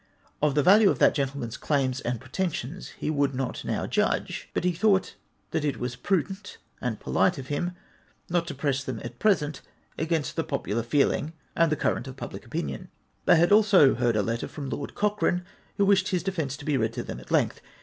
Of the value of that gentleman's claims and pretensions he would not now judge ; but he thought that it was prudent and polite of him not to press them at present against the popular feeling and the current of public opinion. They had heard also a letter from Lord Cochrane, who wished his defence to be read to them at length.